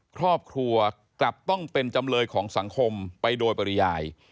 ครอบครัวกลับต้องเป็นจำเลยของสังคมไปโดยปริยาย